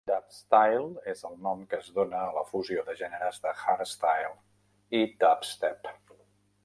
Dubstyle és el nom que es dóna a la fusió de gèneres de hardstyle i dubstep.